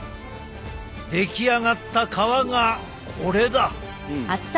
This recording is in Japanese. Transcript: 出来上がった皮がこれだ。